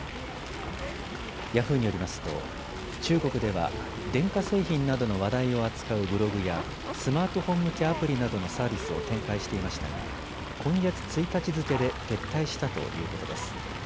ヤフーによりますと中国では電化製品などの話題を扱うブログやスマートフォン向けアプリなどのサービスを展開していましたが今月１日付けで撤退したということです。